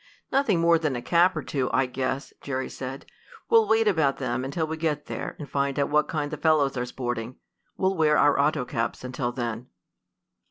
"Nothing more than a cap or two, I guess," Jerry said. "We'll wait about them until we get there, and find out what kind the fellows are sporting. We'll wear our auto caps until then."